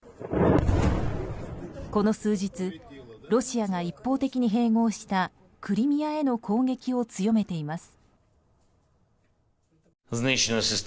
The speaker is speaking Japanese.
この数日ロシアが一方的に併合したクリミアへの攻撃を強めています。